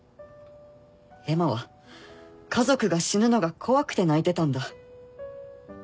エマは家族が死ぬのが怖くて泣いてたんだ。